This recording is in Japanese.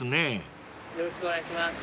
よろしくお願いします。